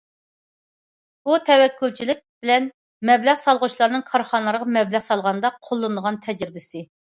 بۇ تەۋەككۈلچىلىك بىلەن مەبلەغ سالغۇچىلارنىڭ كارخانىلارغا مەبلەغ سالغاندا قوللىنىدىغان تەجرىبىسى.